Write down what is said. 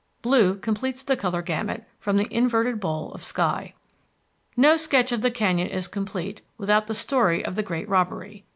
Blue completes the color gamut from the inverted bowl of sky. No sketch of the canyon is complete without the story of the great robbery.